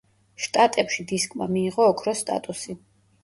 შტატებში დისკმა მიიღო ოქროს სტატუსი.